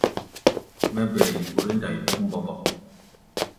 Mɛ́ bɛɛ yikoré-ndai dúk mboɓok.